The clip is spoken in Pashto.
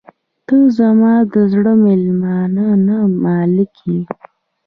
• ته زما د زړه میلمانه نه، مالک یې.